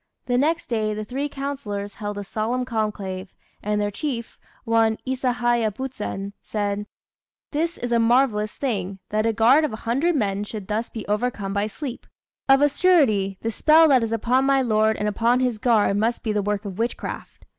The next day the three councillors held a solemn conclave, and their chief, one Isahaya Buzen, said "This is a marvellous thing, that a guard of a hundred men should thus be overcome by sleep. Of a surety, the spell that is upon my lord and upon his guard must be the work of witchcraft.